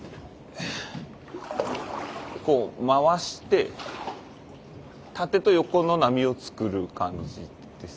こう回して縦と横の波を作る感じです。